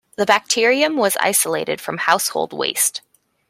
The bacterium was isolated from household waste.